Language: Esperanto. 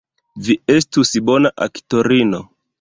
Vi estus bona aktorino.